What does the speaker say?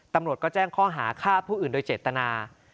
ตำรวจก็แจ้งข้อหาฆ่าผู้อื่นโดยเจตนา